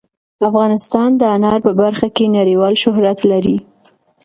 افغانستان د انار په برخه کې نړیوال شهرت لري.